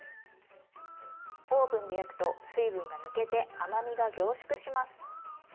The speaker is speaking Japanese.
オーブンで焼くと水分が抜けて甘みが凝縮します。